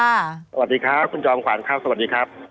สวัสดีครับคุณจอมขวัญครับสวัสดีครับ